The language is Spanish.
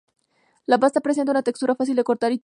La pasta presenta una textura fácil de cortar y untar.